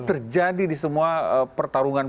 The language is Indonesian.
terjadi di semua pertarungan